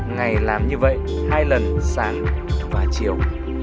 ngày làm như vậy hai lần sáng và chiều